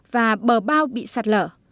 và bờ bao bị sạt lở